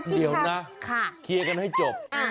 เดี๋ยวนะเคลียร์กันให้จบ